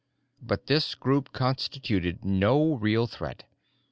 But this group constituted no real threat.